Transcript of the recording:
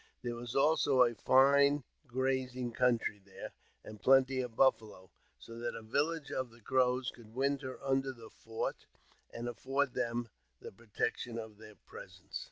There was also a fine grazing ■country there, and plenty of buffalo, so that a village of the Crows could winter under the fort, and afford them the pro tection of their presence.